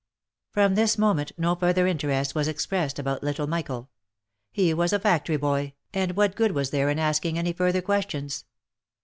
From this moment no further interest was expressed about little Michael. He ivas a factory boy, and what good was there in asking any further questions